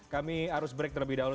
kami harus break terlebih dahulu